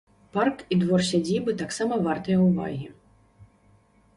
Парк і двор сядзібы таксама вартыя ўвагі.